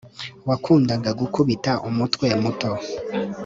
wakundaga gukubita umutwe muto,